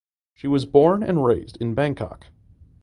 She was born and raised in Bangkok.